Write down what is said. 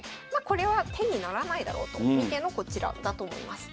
これは手にならないだろうと見てのこちらだと思います。